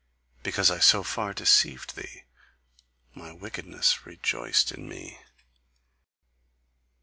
Because I so far deceived thee, my wickedness rejoiced in me."